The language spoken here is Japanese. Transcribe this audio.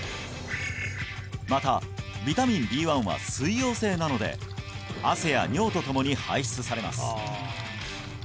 またビタミンＢ１は水溶性なので汗や尿とともに排出されます